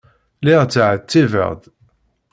Lliɣ ttɛettibeɣ-d.